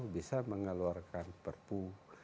bisa mengeluarkan perpu